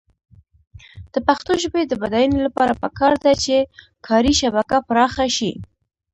د پښتو ژبې د بډاینې لپاره پکار ده چې کاري شبکه پراخه شي.